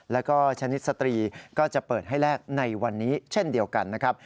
แล้วก็ชนิดสตรีก็จะเปิดให้แลกในวันนี้เช่นเดียวกันนะครับ